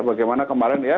bagaimana kemarin ya